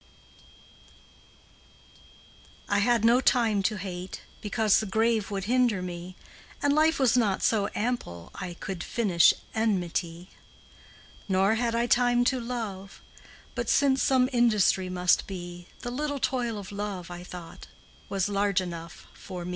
I had no time to hate, because The grave would hinder me, And life was not so ample I Could finish enmity. Nor had I time to love; but since Some industry must be, The little toil of love, I thought, Was large enough for me.